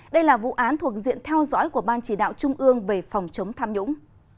đây là vụ án thuộc diện theo dõi của ban chỉ đạo trung ương về phòng chống tham nhũng